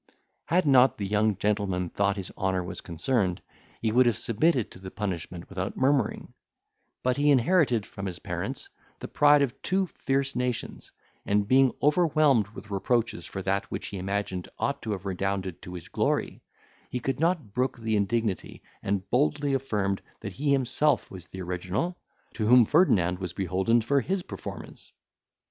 Had not the young gentleman thought his honour was concerned, he would have submitted to the punishment without murmuring; but he inherited, from his parents, the pride of two fierce nations, and, being overwhelmed with reproaches for that which he imagined ought to have redounded to his glory, he could not brook the indignity, and boldly affirmed, that he himself was the original, to whom Ferdinand was beholden for his performance.